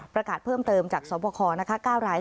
ประกาศเพิ่มเติมจากสวบค๙ราย